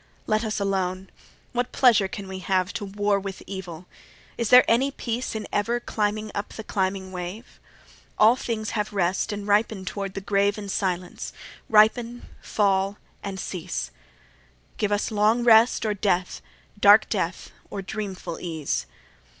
Let us alone. What pleasure can we have To war with evil? Is there any peace In ever climbing up the climbing wave? All things have rest, and ripen toward the grave In silence; ripen, fall and cease: Give us long rest or death, dark death, or dreamful ease.